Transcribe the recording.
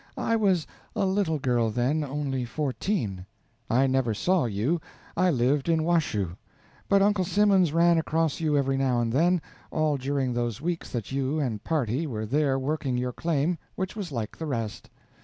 I was a little girl then, only fourteen. I never saw you, I lived in Washoe. But Uncle Simmons ran across you every now and then, all during those weeks that you and party were there working your claim which was like the rest.